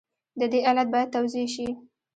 د دې علت باید توضیح شي.